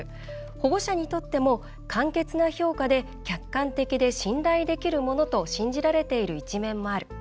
保護者にとっても簡潔な評価で客観的で信頼できるものと信じられている一面もある。